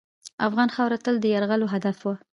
افغان خاوره تل د یرغلګرو هدف وه.